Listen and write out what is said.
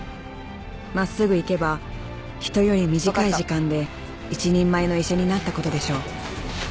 「真っすぐ行けば人より短い時間で一人前の医者になったことでしょう」